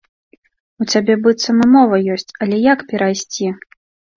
У цябе быццам і мова ёсць, але як перайсці?